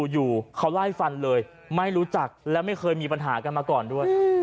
อยู่เขาไล่ฟันเลยไม่รู้จักและไม่เคยมีปัญหากันมาก่อนด้วย